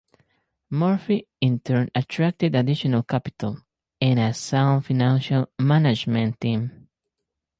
Murphy in turn attracted additional capital, and a sound financial management team.